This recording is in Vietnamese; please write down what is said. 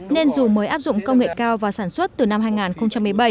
nên dù mới áp dụng công nghệ cao và sản xuất từ năm hai nghìn một mươi bảy